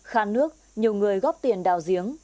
khăn nước nhiều người góp tiền đào giếng